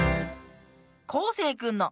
こうせいくんの。